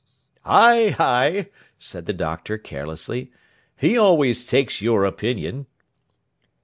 'Ay, ay,' said the Doctor, carelessly, 'he always takes your opinion.